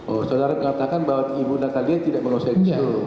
oh saudara mengatakan bahwa ibu natalia tidak menguasai gestur